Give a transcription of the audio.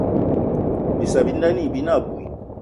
Bissa bi nda gnî binê ìbwal